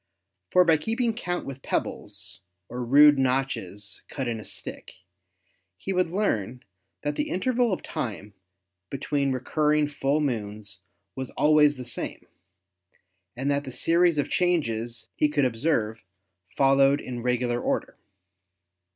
For by keeping count with pebbles or rude notches cut in a stick he would learn that the interval of time between re curring full moons was always the same, and that the series of changes he could observe followed in regular order.